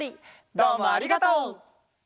どうもありがとう。